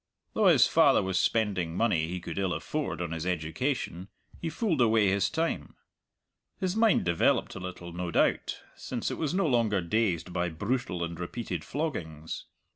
Though his father was spending money he could ill afford on his education, he fooled away his time. His mind developed a little, no doubt, since it was no longer dazed by brutal and repeated floggings.